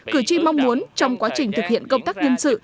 cử tri mong muốn trong quá trình thực hiện công tác nhân sự